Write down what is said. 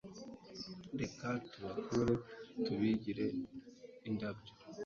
reka tubakure, tubigire indabyo